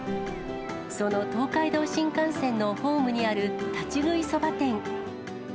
その東海道新幹線のホームにある立ち食いそば店。